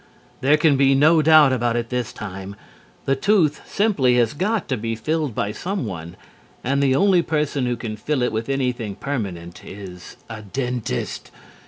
There can be no doubt about it this time. The tooth simply has got to be filled by someone, and the only person who can fill it with anything permanent is a dentist.